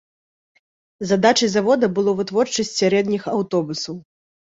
Задачай завода было вытворчасць сярэдніх аўтобусаў.